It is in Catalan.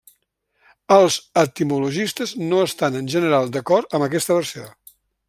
Els etimologistes no estan en general d'acord amb aquesta versió.